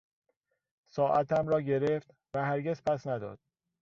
ساعتم را گرفت و هرگز پس نداد.